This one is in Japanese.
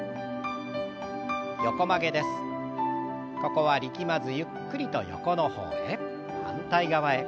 ここは力まずゆっくりと横の方へ。